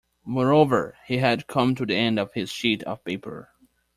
Moreover, he had come to the end of his sheet of paper.